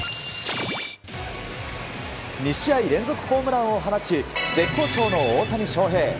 ２試合連続ホームランを放ち絶好調の大谷翔平。